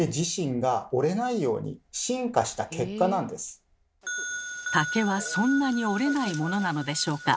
これは竹はそんなに折れないものなのでしょうか？